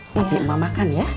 nanti mak makan ya